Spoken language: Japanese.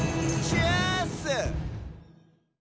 チェアース！